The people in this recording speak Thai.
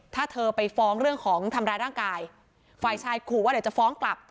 ถ้าเธอไปฟ้องเรื่องของทำร้ายร่างกายฝ่ายชายขู่ว่าเดี๋ยวจะฟ้องกลับ